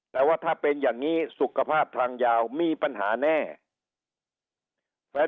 แต่ว่าถ้าเป็นอย่างนี้สุขภาพทางยาวมีปัญหาแน่